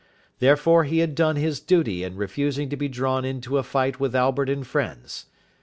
Therefore, he had done his duty in refusing to be drawn into a fight with Albert and friends.